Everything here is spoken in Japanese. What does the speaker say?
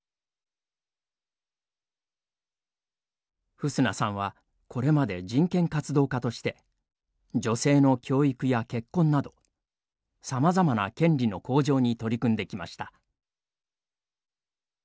フスナさんはこれまで人権活動家として女性の教育や結婚などさまざまな権利の向上に取り組んできました。